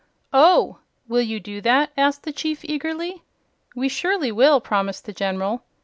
"Oh! Will you do that?" asked the Chief, eagerly. "We surely will," promised the General.